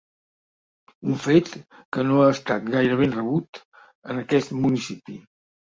Un fet que no ha estat gaire ben rebut en aquest municipi.